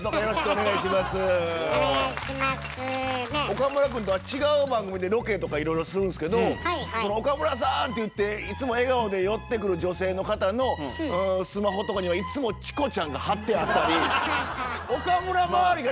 岡村くんとは違う番組でロケとかいろいろするんですけど「岡村さん」って言っていつも笑顔で寄ってくる女性の方のスマホとかにはいつもチコちゃんが貼ってあったり。